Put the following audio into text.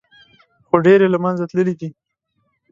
خو ډېر یې له منځه تللي دي.